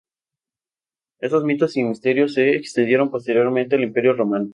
Estos mitos y misterios se extendieron posteriormente al Imperio romano.